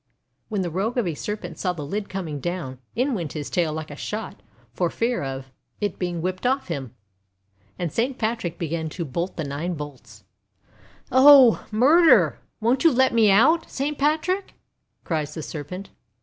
When the rogue of a Serpent saw the lid com ing down, in went his tail like a shot, for fear of THE LAST OF THE SERPENTS 195 its being whipped off him. And Saint Patrick began to bolt the nine bolts. uOh! murder! won't you let me out, Saint Patrick?' cries the Serpent.